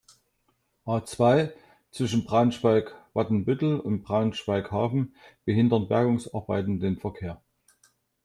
A-zwei, zwischen Braunschweig-Watenbüttel und Braunschweig-Hafen behindern Bergungsarbeiten den Verkehr.